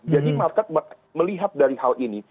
jadi market melihat dari hal ini